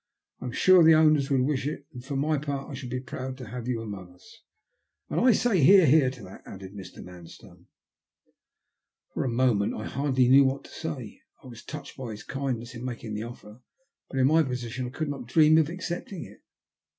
I'm sure the owners would wish it, and for my part I shall be proud to have you among us." " And I say ' Hear, hear !' to that," added Mr. Manstone. For a moment I hardly knew what to say. I was touched by his kindness in making the offer, but' in my position I could not dream of accepting it.